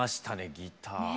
ギター。